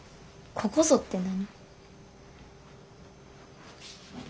ここぞって何？